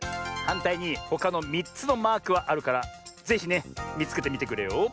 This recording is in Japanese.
はんたいにほかの３つのマークはあるからぜひねみつけてみてくれよ。